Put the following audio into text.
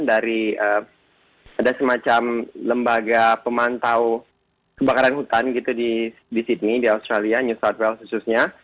dari ada semacam lembaga pemantau kebakaran hutan gitu di sydney di australia new south well khususnya